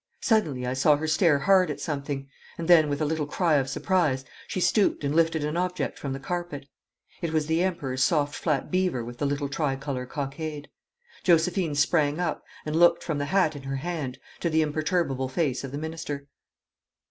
Suddenly I saw her stare hard at something, and then, with a little cry of surprise, she stooped and lifted an object from the carpet. It was the Emperor's soft flat beaver with the little tricolour cockade. Josephine sprang up, and looked from the hat in her hand to the imperturbable face of the minister.